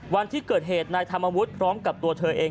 วันที่เกิดเหตุนายธรรมวุฒิพร้อมกับตัวเธอเอง